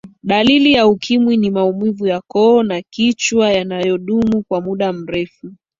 dalili ya ukimwi ni maumivu ya koo na kichwa yanayodumu kwa muda mrefu